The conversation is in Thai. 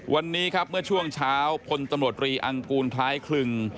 วันนี้ครับเมื่อช่วงเช้าพลตำรวจรีอังกูลคล้ายคลึง